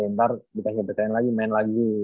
ntar dikasih pakaian lagi main lagi